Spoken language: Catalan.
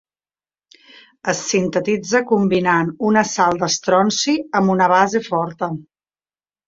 Es sintetitza combinant una sal d'estronci amb una base forta.